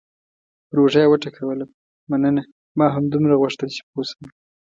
پر اوږه یې وټکولم: مننه، ما همدومره غوښتل چې پوه شم.